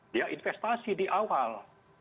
dia investasi di awal